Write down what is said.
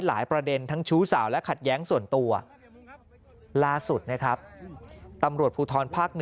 ประเด็นทั้งชู้สาวและขัดแย้งส่วนตัวล่าสุดนะครับตำรวจภูทรภาค๑